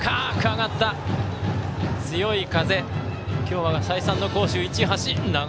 強い風、今日は再三の攻守、市橋。